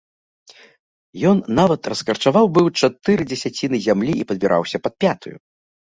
Ён нават раскарчаваў быў чатыры дзесяціны зямлі і падбіраўся пад пятую.